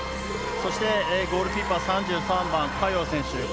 そして、ゴールキーパー３３番、嘉鷹選手。